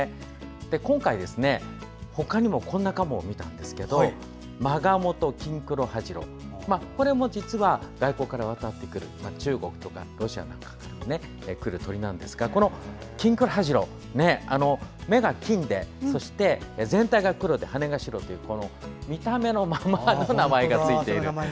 今回、ほかにもこんなカモを見たんですがマガモと、キンクロハジロこれも実は外国から渡ってくる中国、ロシアから来る鳥なんですがこのキンクロハジロ、目が金でそして、全体が黒で羽が白というこの見た目のままの名前がついている。